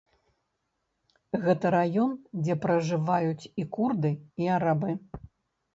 Гэта раён, дзе пражываюць і курды, і арабы.